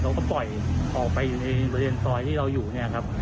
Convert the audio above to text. เขาก็ปล่อยออกไปอยู่ในบริเวณซอยที่เราอยู่เนี่ยครับ